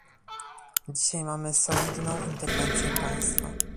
Dzisiaj mamy solidną interwencję państwa